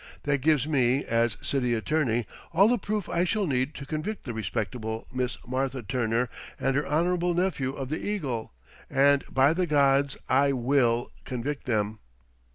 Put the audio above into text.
That gives me, as City Attorney, all the proof I shall need to convict the respectable Miss Martha Turner and her honorable nephew of the 'Eagle.' And, by the gods! I will convict them!"